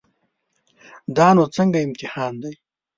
دا نو څنګه امتحان دی.